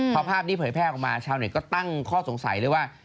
พอภาพนี้เผยแพร่ออกมาชาวเน็ตก็ตั้งข้อสงสัยเลยว่า